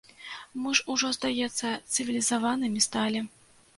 Мы ж ужо, здаецца, цывілізаванымі сталі.